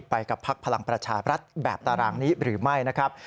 ไปกับพักพลังประชารัฐแบบตารางนี้หรือไม่